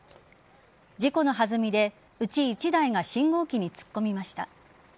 事故の弾みで、うち１台が信号機に突っ込みました。